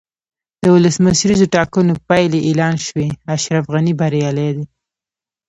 د ولسمشریزو ټاکنو پایلې اعلان شوې، اشرف غني بریالی دی.